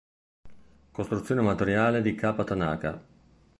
Costruzione amatoriale di K. Tanaka.